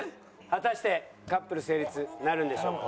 果たしてカップル成立なるんでしょうか？